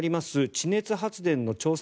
地熱発電の調査